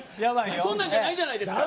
そんなんじゃないじゃないですか。